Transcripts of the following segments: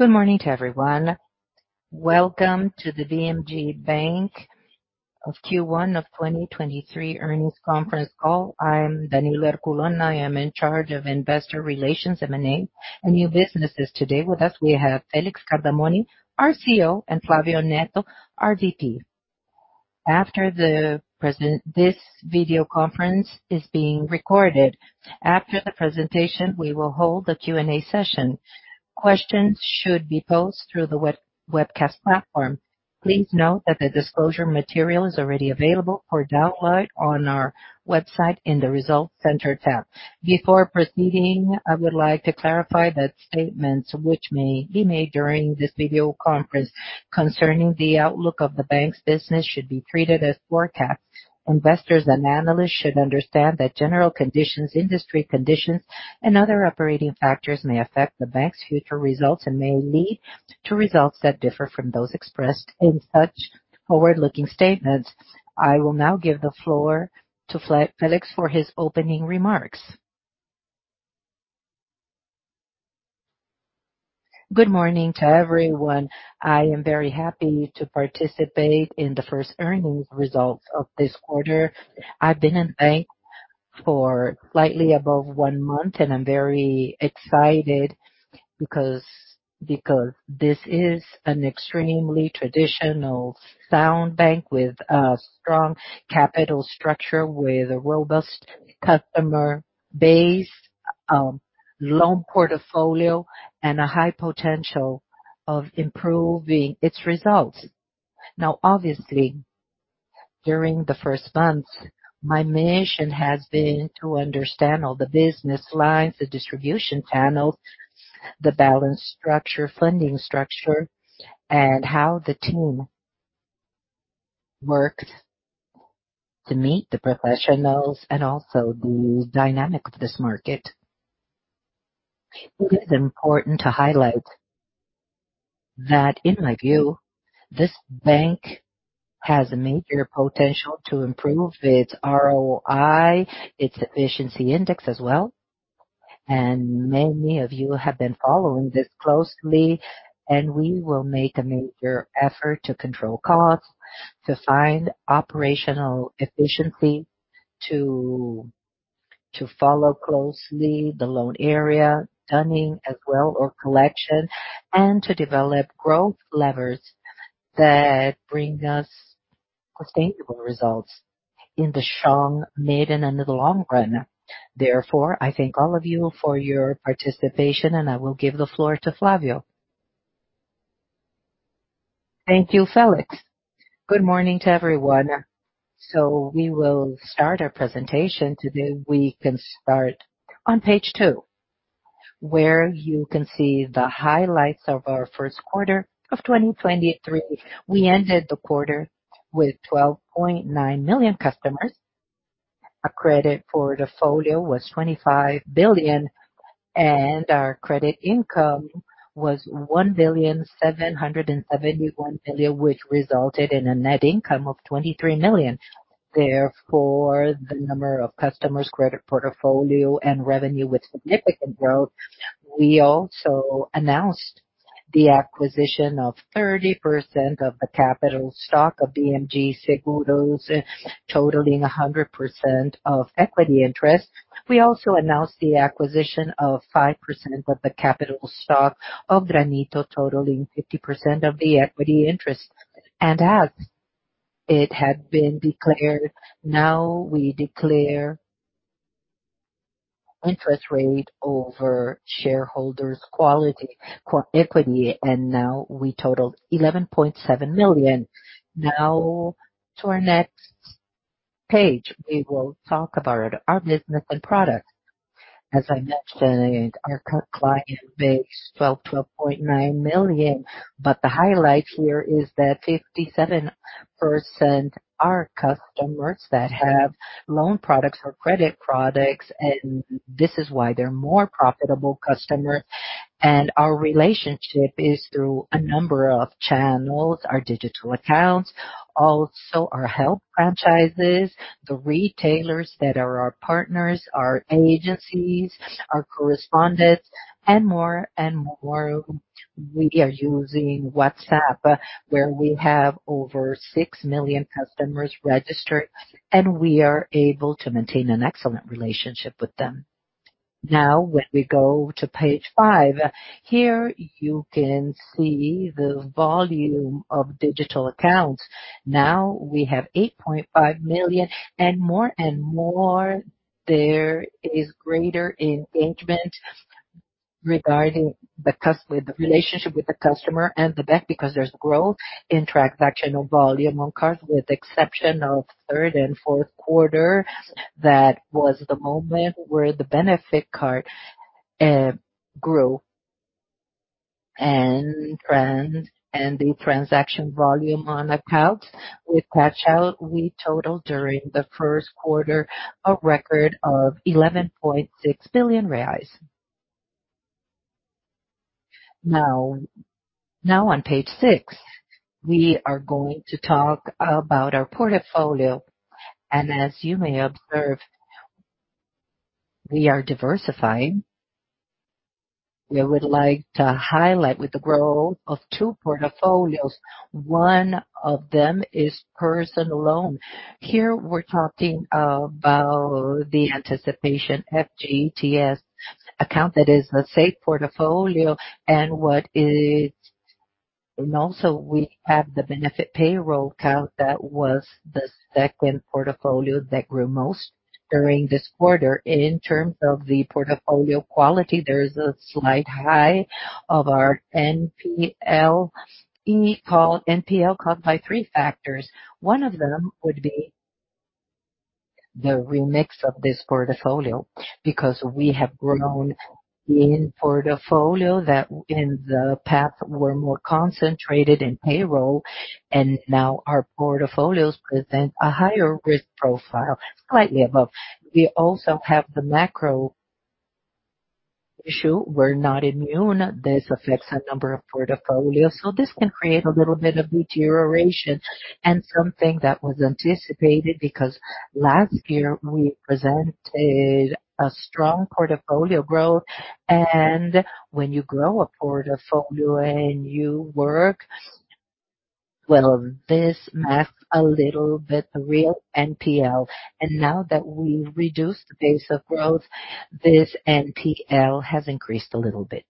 Good morning to everyone. Welcome to the Banco BMG of Q1 of 2023 earnings conference call. I am Danilo Herculano. I am in charge of Investor Relations, M&A and new businesses. Today with us, we have Félix Cardamone, our CEO, and Flávio Neto, our VP. This video conference is being recorded. After the presentation, we will hold a Q&A session. Questions should be posed through the web, webcast platform. Please note that the disclosure material is already available for download on our website in the Results Center tab. Before proceeding, I would like to clarify that statements which may be made during this video conference concerning the outlook of the bank's business should be treated as forecast. Investors and analysts should understand that general conditions, industry conditions and other operating factors may affect the bank's future results and may lead to results that differ from those expressed in such forward-looking statements. I will now give the floor to Felix for his opening remarks. Good morning to everyone. I am very happy to participate in the first earnings results of this quarter. I've been in bank for slightly above 1 month, and I'm very excited because this is an extremely traditional sound bank with a strong capital structure, with a robust customer base, loan portfolio, and a high potential of improving its results. Obviously, during the first months, my mission has been to understand all the business lines, the distribution channels, the balance structure, funding structure, and how the team works to meet the professionals and also the dynamic of this market. It is important to highlight that, in my view, this bank has a major potential to improve its ROI, its efficiency index as well. Many of you have been following this closely, and we will make a major effort to control costs, to find operational efficiency to follow closely the loan area, turning as well or collection, and to develop growth levers that bring us sustainable results in the short, mid, and into the long run. Therefore, I thank all of you for your participation, and I will give the floor to Flávio. Thank you, Felix. Good morning to everyone. We will start our presentation today. We can start on page two, where you can see the highlights of our first quarter of 2023. We ended the quarter with 12.9 million customers. Our credit portfolio was 25 billion, and our credit income was 1.771 billion, which resulted in a net income of 23 million. Therefore, the number of customers, credit portfolio and revenue with significant growth. We also announced the acquisition of 30% of the capital stock of BMG Seguros, totaling 100% of equity interest. We also announced the acquisition of 5% of the capital stock of granito, totaling 50% of the equity interest. As it had been declared, now we declare interest rate over shareholders equity, and now we totaled 11.7 million. Now to our next page. We will talk about our business and products. As I mentioned, our client base fell to 0.9 million. The highlight here is that 57% are customers that have loan products or credit products, and this is why they're more profitable customers. Our relationship is through a number of channels, our digital accounts, also our health franchises, the retailers that are our partners, our agencies, our correspondents, and more and more we are using WhatsApp, where we have over 6 million customers registered, and we are able to maintain an excellent relationship with them. When we go to page five, here you can see the volume of digital accounts. We have 8.5 million. More and more there is greater engagement regarding the relationship with the customer and the bank because there's growth in transactional volume on cards, with exception of third and fourth quarter. That was the moment where the Benefit Card grew and the transaction volume on accounts with cash-out, we totaled during the first quarter a record of 11.6 billion reais. On page 6, we are going to talk about our portfolio. As you may observe, we are diversifying. We would like to highlight with the growth of two portfolios. One of them is personal loan. Here we're talking about the FGTS Anticipation account that is a safe portfolio and also we have the Benefit Payroll Card that was the second portfolio that grew most during this quarter. In terms of the portfolio quality, there is a slight high of our NPL called by three factors. One of them would be the remix of this portfolio because we have grown in portfolio that in the past were more concentrated in payroll, and now our portfolios present a higher risk profile, slightly above. We also have the macro issue. We're not immune. This affects a number of portfolios. This can create a little bit of deterioration and something that was anticipated because last year we presented a strong portfolio growth. When you grow a portfolio and you work well, this masks a little bit the real NPL. That we've reduced the pace of growth, this NPL has increased a little bit.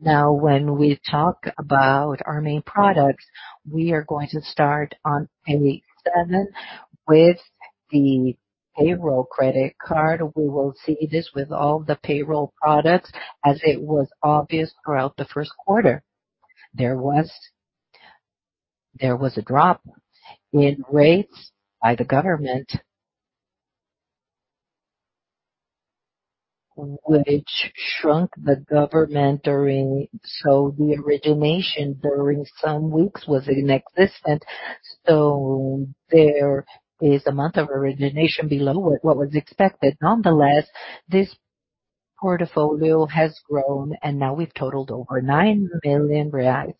When we talk about our main products, we are going to start on page seven with the payroll credit card. We will see this with all the payroll products as it was obvious throughout the first quarter. There was a drop in rates by the government. Which shrunk the government. The origination during some weeks was inexistent. There is a month of origination below what was expected. Nonetheless, this portfolio has grown, and now we've totaled over 9 million reais.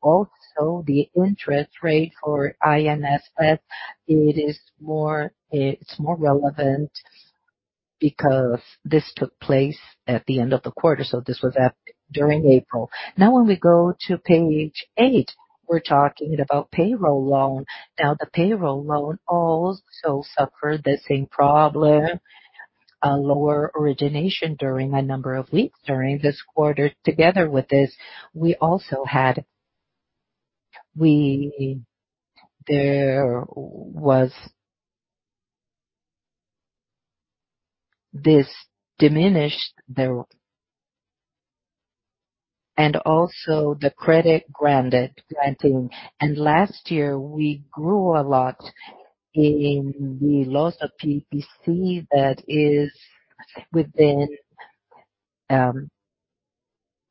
Also the interest rate for INSS, it is more relevant because this took place at the end of the quarter. This was during April. When we go to page eight, we're talking about payroll loan. The payroll loan also suffered the same problem, a lower origination during a number of weeks during this quarter. Together with this, we also had the credit granting. Last year we grew a lot in the loss of PPC that is within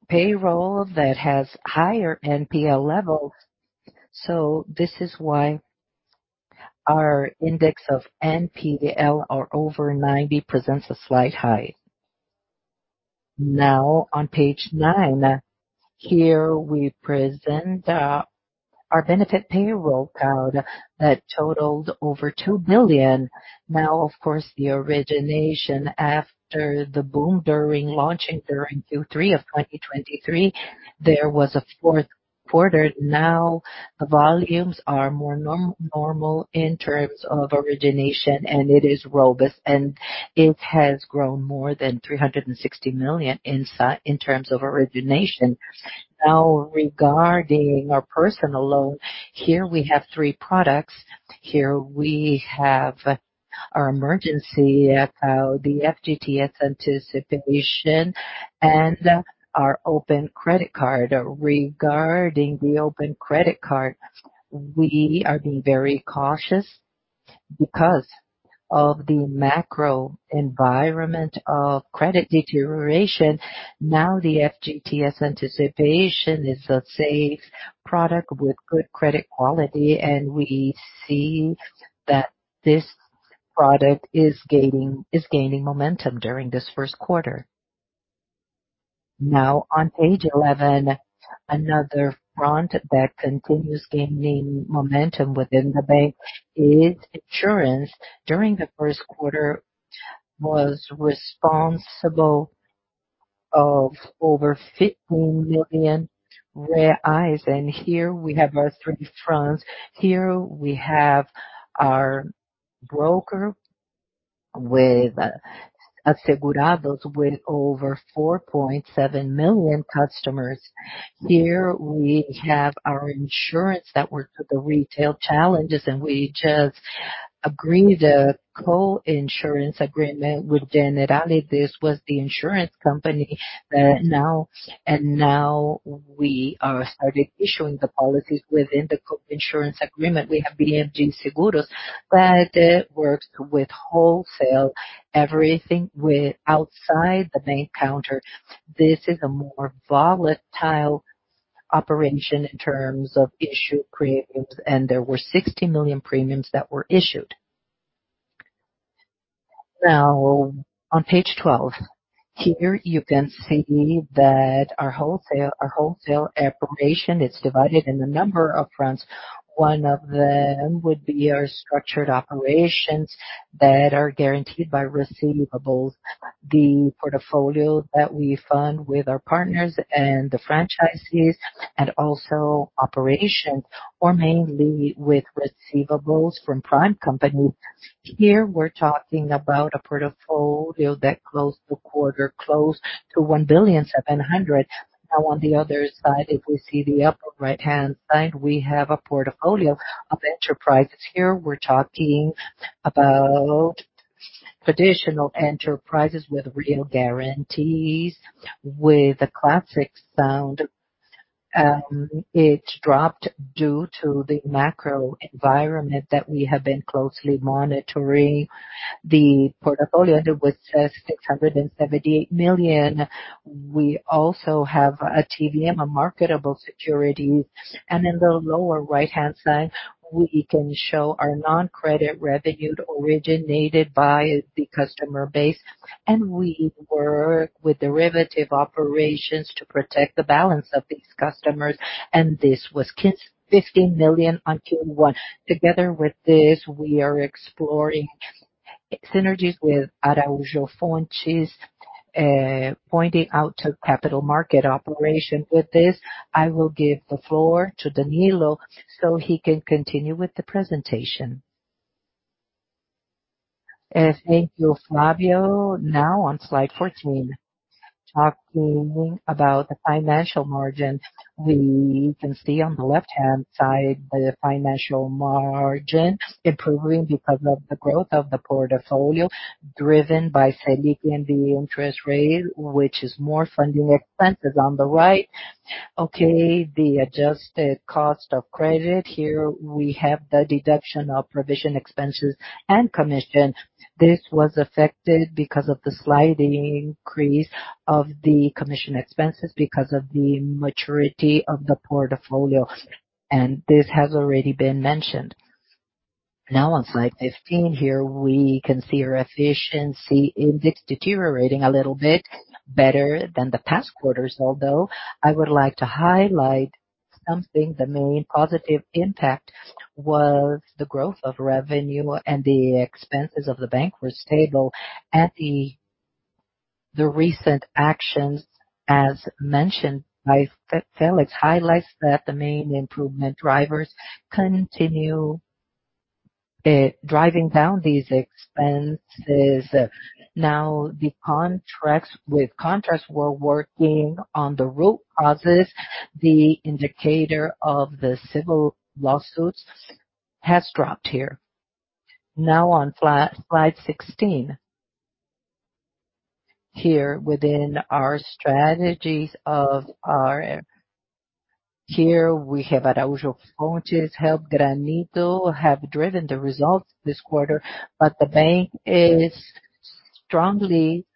payroll that has higher NPL levels. This is why our index of NPL are over 90 presents a slight high. On page nine, here we present our Benefit Payroll Card that totaled over 2 billion. Of course, the origination after the boom during launching during Q3 of 2023, there was a fourth quarter. The volumes are more normal in terms of origination, and it is robust, and it has grown more than 360 million in terms of origination. Regarding our personal loan, here we have three products. Here we have our emergency account, the FGTS Anticipation, and our open credit card. Regarding the open credit card, we are being very cautious because of the macro environment of credit deterioration. The FGTS anticipation is a safe product with good credit quality, and we see that this product is gaining momentum during this first quarter. On page 11, another front that continues gaining momentum within the bank is insurance. During the first quarter was responsible of over 15 million BRL. Here we have our three fronts. Here we have our broker with asegurados with over 4.7 million customers. Here we have our insurance that works with the retail challenges, and we just agreed a co-insurance agreement with Generali. This was the insurance company. Now we are started issuing the policies within the co-insurance agreement. We have BMG Seguros that works with wholesale, everything with outside the main counter. This is a more volatile operation in terms of issue premiums, and there were 60 million premiums that were issued. On page 12. Here you can see that our wholesale operation is divided in a number of fronts. One of them would be our structured operations that are guaranteed by receivables, the portfolio that we fund with our partners and the franchisees and also operations or mainly with receivables from prime companies. Here we're talking about a portfolio that closed the quarter close to 1.7 billion. On the other side, if we see the upper right-hand side, we have a portfolio of enterprises. Here we're talking about traditional enterprises with real guarantees, with a classic sound. It dropped due to the macro environment that we have been closely monitoring. The portfolio with 678 million. We also have a TVM, a marketable security. In the lower right-hand side, we can show our non-credit revenue originated by the customer base. We work with derivative operations to protect the balance of these customers. This was 15 million on Q1. Together with this, we are exploring synergies with Araújo Fontes, pointing out to capital market operation. With this, I will give the floor to Danilo so he can continue with the presentation. Thank you, Flavio. Now on slide 14. Talking about the financial margins, we can see on the left-hand side the financial margin improving because of the growth of the portfolio driven by Selic and the interest rate, which is more funding expenses on the right. Okay, the adjusted cost of credit. Here we have the deduction of provision expenses and commission. This was affected because of the slight increase of the commission expenses because of the maturity of the portfolio. This has already been mentioned. On slide 15, here we can see our efficiency index deteriorating a little bit better than the past quarters. I would like to highlight something, the main positive impact was the growth of revenue and the expenses of the bank were stable at the recent actions, as mentioned by Felix, highlights that the main improvement drivers continue driving down these expenses. With contracts, we're working on the root causes. The indicator of the civil lawsuits has dropped here. On slide 16. Within our strategies, we have Araújo Fontes help granito have driven the results this quarter, but the bank is strongly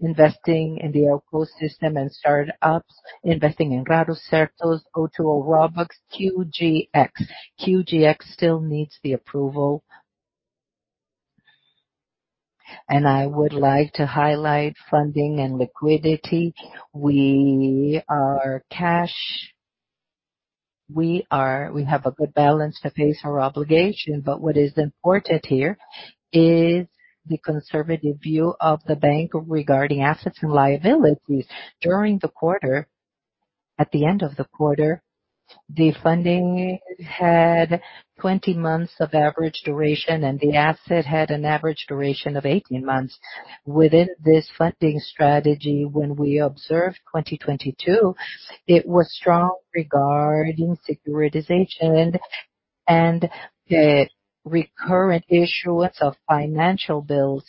investing in the ecosystem and start-ups, investing in Grado Certos, Otoo Robux, QGX. QGX still needs the approval. I would like to highlight funding and liquidity. We are cash. We have a good balance to face our obligation. What is important here is the conservative view of the bank regarding assets and liabilities during the quarter. At the end of the quarter, the funding had 20 months of average duration, and the asset had an average duration of 18 months. Within this funding strategy, when we observed 2022, it was strong regarding securitization and the recurrent issuance of financial bills.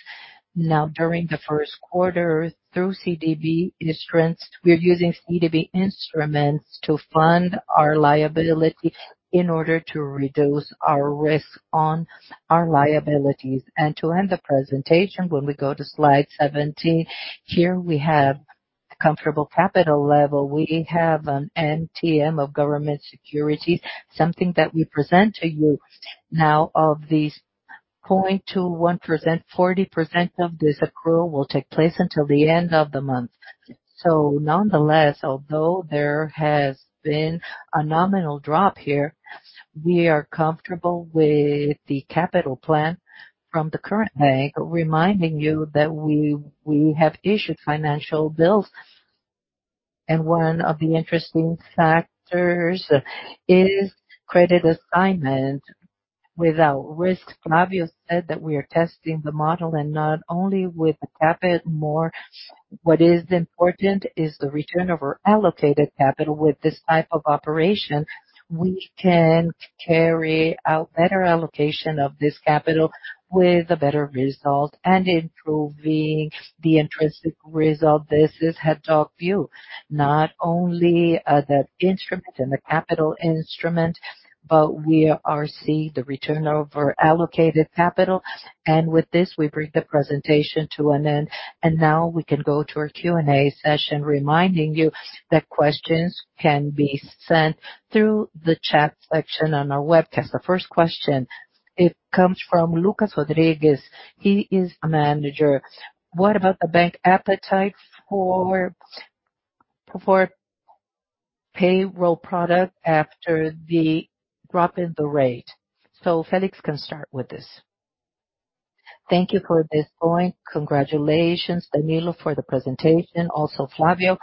During the first quarter through CDB instruments, we're using CDB instruments to fund our liability in order to reduce our risk on our liabilities. To end the presentation, when we go to slide 17, here we have comfortable capital level. We have an MTM of government securities, something that we present to you. Of these 0.21%, 40% of this accrual will take place until the end of the month. Nonetheless, although there has been a nominal drop here, we are comfortable with the capital plan from the current bank, reminding you that we have issued financial bills. One of the interesting factors is credit assignment without risk. Flávio said that we are testing the model and not only with the capital more. What is important is the return of our allocated capital. With this type of operation, we can carry out better allocation of this capital with a better result and improving the intrinsic result. This is head talk view, not only the instrument and the capital instrument, but we are see the return over allocated capital. With this, we bring the presentation to an end, and now we can go to our Q&A session, reminding you that questions can be sent through the chat section on our webcast. The first question. It comes from Lucas Rodrigues. He is a manager. What about the bank appetite for payroll product after the drop in the rate? Félix can start with this. Thank you for this point. Congratulations, Danilo, for the presentation, also, Flávio.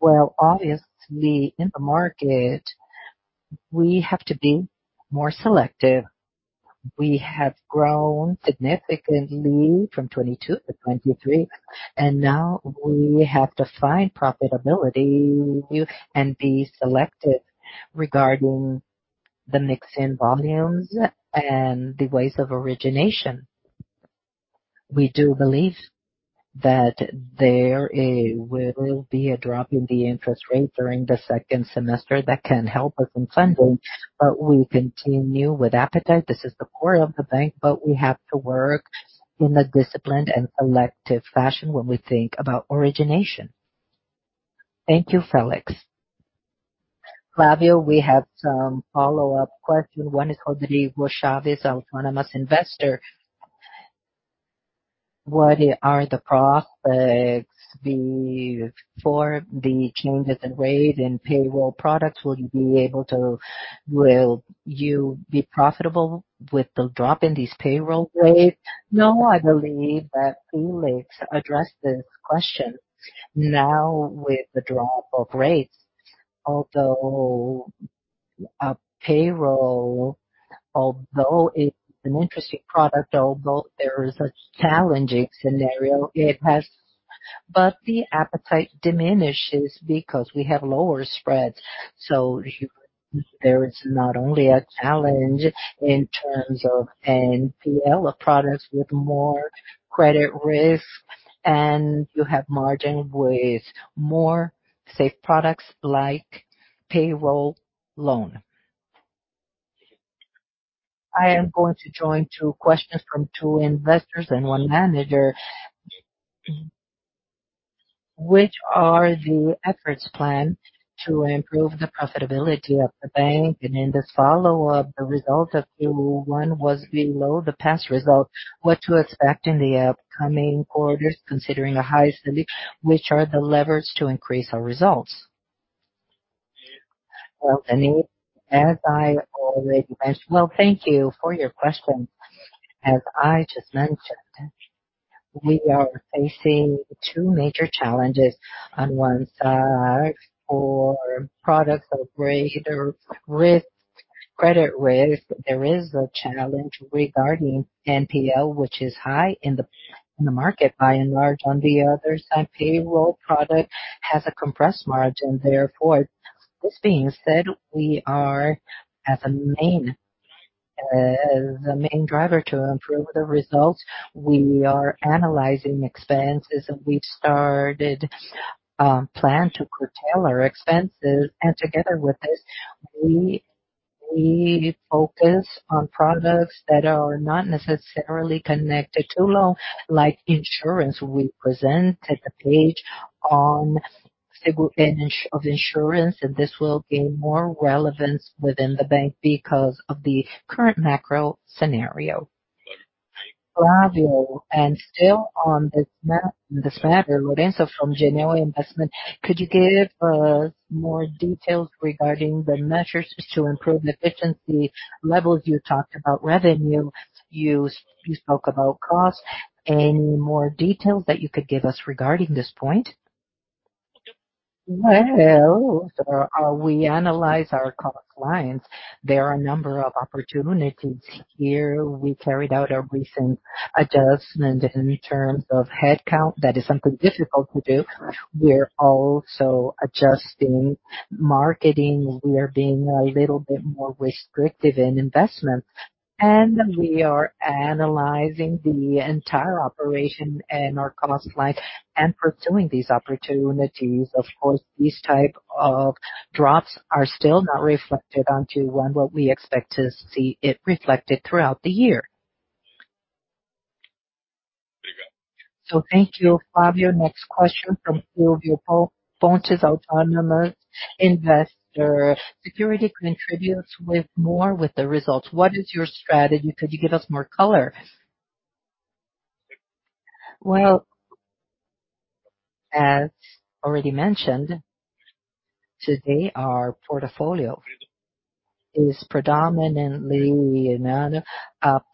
Well, obviously, in the market we have to be more selective. We have grown significantly from 22 to 23, and now we have to find profitability and be selective regarding the mix in volumes and the ways of origination. We do believe that there will be a drop in the interest rate during the second semester that can help us in funding, but we continue with appetite. This is the core of the bank. We have to work in a disciplined and selective fashion when we think about origination. Thank you, Felix. Flávio, we have some follow-up question. One is Rodrigo Chavez, autonomous investor. What are the prospects for the changes in rate and payroll products? Will you be profitable with the drop in these payroll rates? No, I believe that Felix addressed this question. Now with the drop of rates, although it's an interesting product, although there is a challenging scenario, the appetite diminishes because we have lower spreads. There is not only a challenge in terms of NPL, a product with more credit risk, and you have margin with more safe products like Payroll Loan. I am going to join two questions from two investors and one manager. Which are the efforts planned to improve the profitability of the bank? This follow-up, the result of Q1 was below the past result. What to expect in the upcoming quarters considering a high Selic, which are the levers to increase our results? Well, Dani, as I already mentioned. Well, thank you for your question. As I just mentioned, we are facing two major challenges. On one side, for products of greater risk, credit risk, there is a challenge regarding NPL, which is high in the market by and large. On the other side, payroll product has a compressed margin. Therefore, this being said, we are the main driver to improve the results. We are analyzing expenses, and we've started plan to curtail our expenses. Together with this, we focus on products that are not necessarily connected to loan, like insurance. We present at the page on segment of insurance. This will gain more relevance within the bank because of the current macro scenario. Flávio, still on this matter, Lorenzo from Genial Investimentos, could you give us more details regarding the measures to improve the efficiency levels? You talked about revenue. You spoke about cost. Any more details that you could give us regarding this point? Well, we analyze our cost lines. There are a number of opportunities here. We carried out a recent adjustment in terms of headcount. That is something difficult to do. We're also adjusting marketing. We are being a little bit more restrictive in investment. We are analyzing the entire operation and our cost line and pursuing these opportunities. Of course, these type of drops are still not reflected on Q1, we expect to see it reflected throughout the year. Thank you, Flávio. Next question from Silvio Fontes, autonomous investor. Security contributes with more with the results. What is your strategy? Could you give us more color? Well, as already mentioned, today our portfolio is predominantly another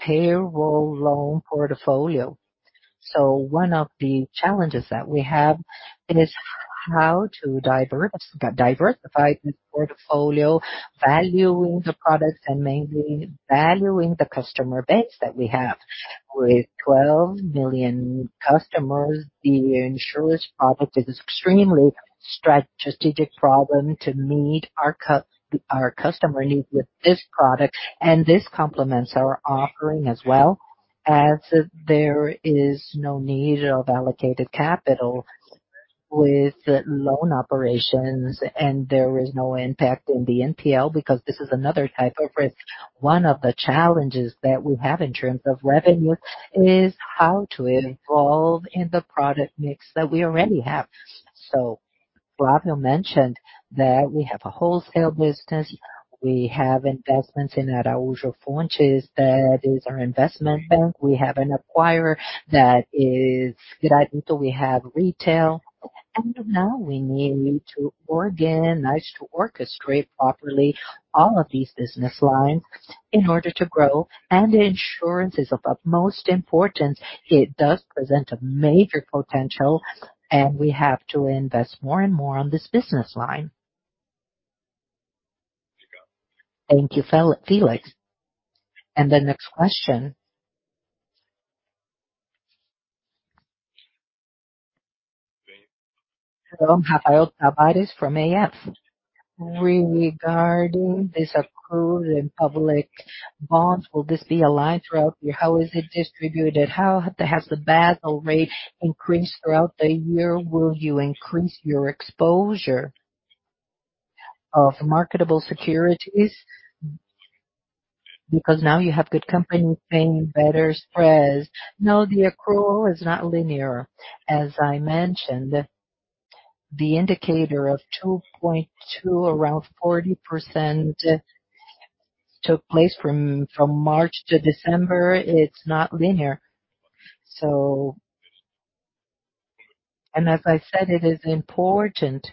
payroll loan portfolio. One of the challenges that we have is how to diversify this portfolio, valuing the products and mainly valuing the customer base that we have. With 12 million customers, the insurance product is extremely strategic problem to meet our customer needs with this product. This complements our offering as well as there is no need of allocated capital with loan operations. There is no impact on the NPL because this is another type of risk. One of the challenges that we have in terms of revenue is how to evolve in the product mix that we already have. Flávio mentioned that we have a wholesale business. We have investments in Araújo Fontes, that is our investment bank. We have an acquirer that is Granito We have retail. Now we need to organize, to orchestrate properly all of these business lines in order to grow. Insurance is of utmost importance. It does present a major potential, and we have to invest more and more on this business line. Thank you, Felix. The next question. Hello, I'm Rafael Tavares from AS. Regarding this accrual in public bonds, will this be a line throughout the year? How is it distributed? How has the Basel rate increased throughout the year? Will you increase your exposure of marketable securities because now you have good company paying better spreads. The accrual is not linear. As I mentioned, the indicator of 2.2, around 40% took place from March to December. It's not linear. As I said, it is important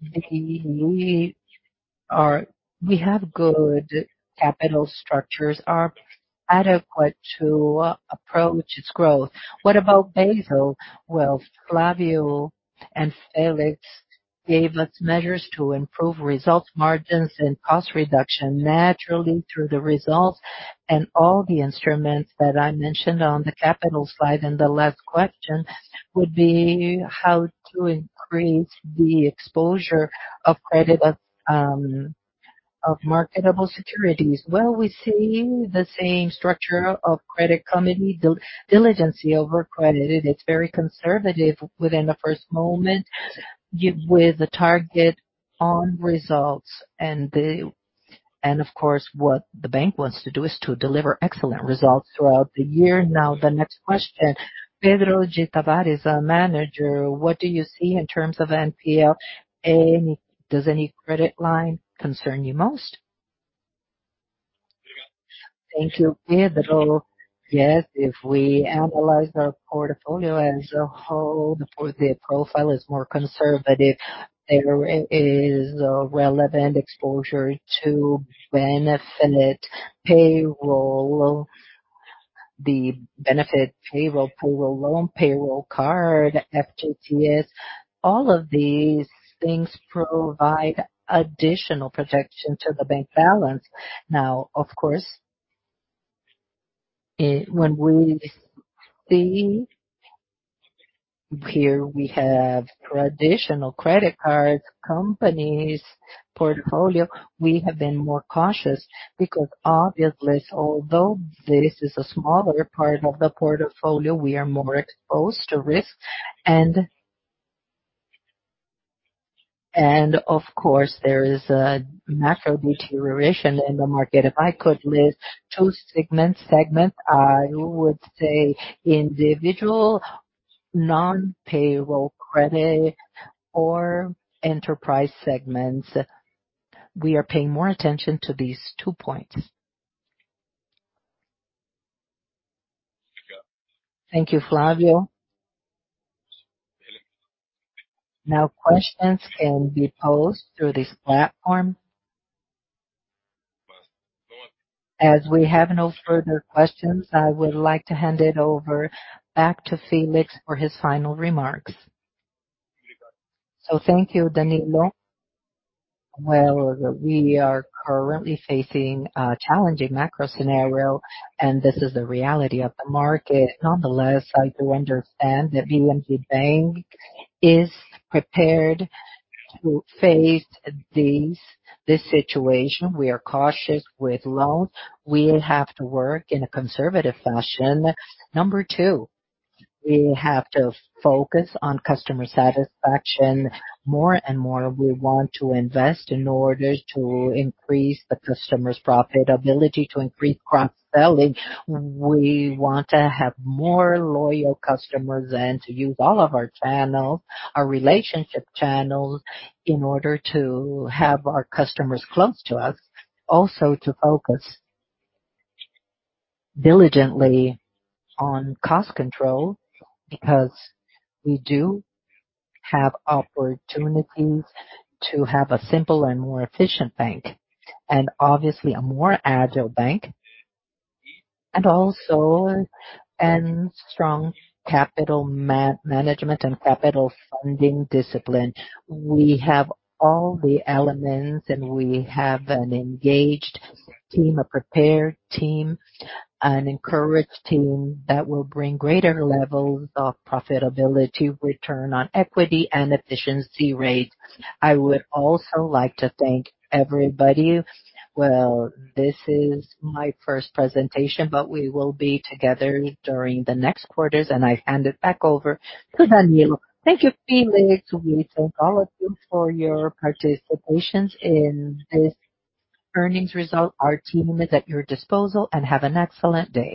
that we have good capital structures, are adequate to approach its growth. What about Basel? Flávio and Felix gave us measures to improve results margins and cost reduction naturally through the results and all the instruments that I mentioned on the capital side. The last question would be how to increase the exposure of credit of marketable securities. We see the same structure of credit committee diligence over credit. It's very conservative within the first moment with a target on results. Of course, what the bank wants to do is to deliver excellent results throughout the year. The next question. Pedro de Tavares, our manager. What do you see in terms of NPL? Does any credit line concern you most? Thank you, Pedro. If we analyze our portfolio as a whole, the portfolio profile is more conservative. There is a relevant exposure to benefit payroll, the benefit payroll pool loan, payroll card, FGTS. All of these things provide additional protection to the bank balance. Of course, when we see here we have traditional credit card companies portfolio, we have been more cautious because obviously, although this is a smaller part of the portfolio, we are more exposed to risk. Of course, there is a macro deterioration in the market. If I could list 2 segments, I would say individual non-payroll credit or enterprise segments. We are paying more attention to these 2 points. Thank you, Flávio. Now questions can be posed through this platform. As we have no further questions, I would like to hand it over back to Felix for his final remarks. Thank you, Danilo. We are currently facing a challenging macro scenario, and this is the reality of the market. Nonetheless, I do understand that BMG Bank is prepared to face this situation. We are cautious with loans. We have to work in a conservative fashion. Number two, we have to focus on customer satisfaction. More and more, we want to invest in order to increase the customer's profitability, to increase cross-selling. We want to have more loyal customers and to use all of our channels, our relationship channels, in order to have our customers close to us. To focus diligently on cost control, because we do have opportunities to have a simple and more efficient bank, and obviously a more agile bank. Strong capital management and capital funding discipline. We have all the elements, we have an engaged team, a prepared team, an encouraged team that will bring greater levels of profitability, return on equity and efficiency rates. I would also like to thank everybody. Well, this is my first presentation. We will be together during the next quarters. I hand it back over to Danilo. Thank you, Felix. We thank all of you for your participations in this earnings result. Our team is at your disposal. Have an excellent day.